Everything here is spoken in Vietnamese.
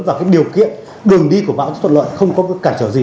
và cái điều kiện đường đi của bão sẽ thuận lợi không có cản trở gì